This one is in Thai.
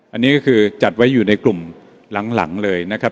อันนี้ก็คือจัดไว้อยู่ในกลุ่มหลังเลยนะครับ